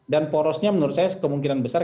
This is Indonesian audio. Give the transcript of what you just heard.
dan porosnya menurut saya kemungkinan besar